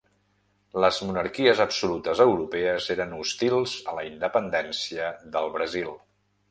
Les monarquies absolutes europees eren hostils a la independència del Brasil.